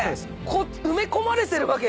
こう埋め込まれてるわけ。